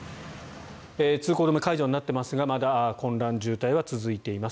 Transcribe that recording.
通行止め解除になってますがまだ混乱、渋滞は続いています。